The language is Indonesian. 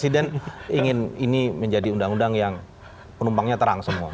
dan ingin ini menjadi undang undang yang penumpangnya terang semua